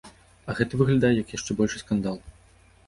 А гэта выглядае, як яшчэ большы скандал.